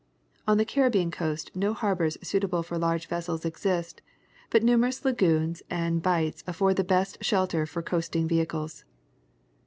On the Caribbean coast no harbors suit able for large vessels exist, but numerous lagoons and bights afford the best of shelter for coasting vessels.